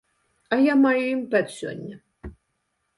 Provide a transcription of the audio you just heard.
А я маю імпэт сёння.